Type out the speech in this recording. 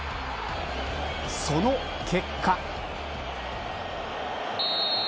その結果。